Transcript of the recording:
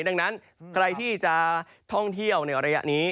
ดังนั้นใครที่จะท่องเที่ยวในระยะนี้